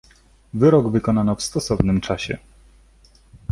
"Wyrok wykonano w stosownym czasie."